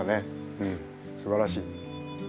うん素晴らしい。